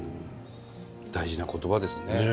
大事な言葉ですね。